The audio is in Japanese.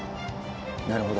なるほど。